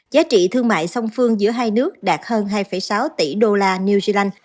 giá trị thương mại song phương giữa hai nước đạt hơn hai sáu tỷ đô la new zealand